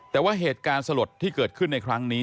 แต่ว่าเหตุการณ์สลดที่เกิดขึ้นในครั้งนี้